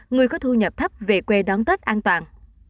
người có thu nhập thấp về quê đón tết an toàn